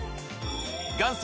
元祖